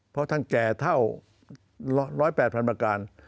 เพราะท่านแก่เท่า๑๐๘๐๐๐ประการ